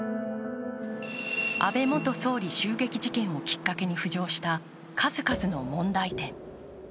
安倍元総理襲撃事件をきっかけに浮上した数々の問題点。